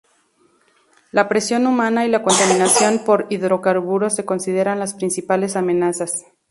La presión humana y la contaminación por hidrocarburos se consideran las principales amenazas.